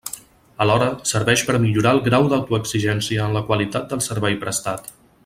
Alhora, serveix per a millorar el grau d'autoexigència en la qualitat del servei prestat.